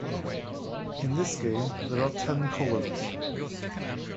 In this game, there are ten columns.